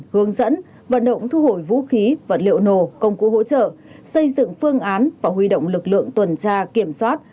hướng dẫn vận động thu hồi vũ khí vật liệu nổ công cụ hỗ trợ xây dựng phương án và huy động lực lượng tuần tra kiểm soát